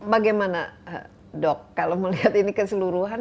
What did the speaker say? bagaimana dok kalau melihat ini keseluruhan